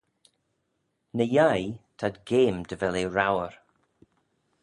Ny-yeih t'ad geam dy vel eh rouyr.